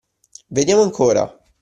Vediamo ancora!